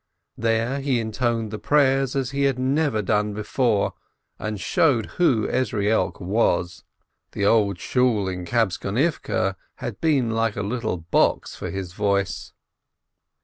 There he intoned the prayers as he had never done before, and showed who Ezrielk was! The Old Shool in Kabtzonivke had been like a little box for his voice.